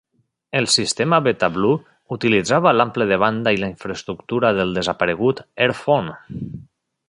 El sistema BetaBlue utilitzava l'ample de banda i l'infraestructura del desaparegut Airfone.